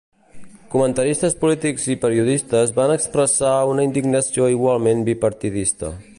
Comentaristes polítics i periodistes van expressar una indignació igualment bipartidista.